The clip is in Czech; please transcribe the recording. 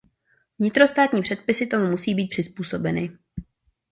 Vnitrostátní předpisy tomu musí být přizpůsobeny.